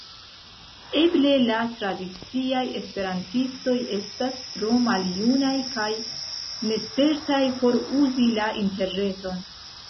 Eble la tradiciaj esperantistoj estas tro maljunaj kaj nespertaj por uzi la interreton.